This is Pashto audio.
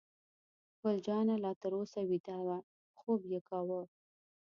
ګل جانه لا تر اوسه ویده وه، خوب یې کاوه.